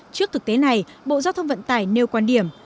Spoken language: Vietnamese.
trước thực tế này bộ giao thông vận tải nêu quan điểm